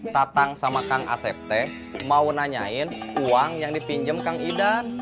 tatang sama kang asep teh mau nanyain uang yang dipinjam kang ida